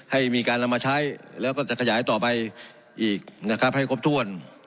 ให้มีการนำมาใช้แล้วก็จะขยายต่อไปอีกนะครับให้ครบถ้วน